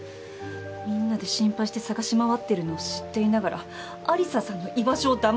みんなで心配して捜し回ってるのを知っていながら有沙さんの居場所を黙ってた。